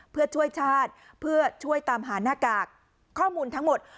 เพื่อช่วยชาติเพื่อช่วยตามหาหน้ากากข้อมูลทั้งหมด